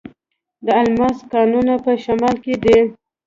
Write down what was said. د الماس کانونه په شمال کې دي.